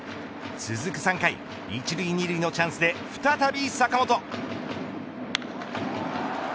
続く３回、１塁２塁のチャンスで再び坂本。